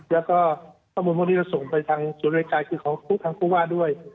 แล้วก็ข้อมูลพวกนี้เราส่งไปทางศูนย์รายการคือของทางผู้ว่าด้วย